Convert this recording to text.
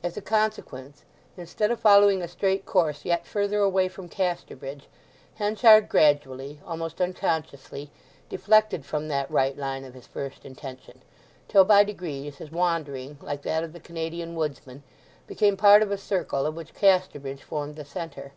As a consequence, instead of following a straight course yet further away from Casterbridge, Henchard gradually, almost unconsciously, deflected from that right line of his first intention; till, by degrees, his wandering, like that of the Canadian woodsman, became part of a circle of which Casterbridge formed the centre.